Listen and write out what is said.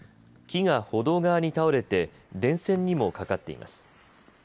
木が歩道側に倒れて電線にもかかっています。